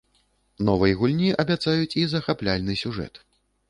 Новай гульні абяцаюць і захапляльны сюжэт.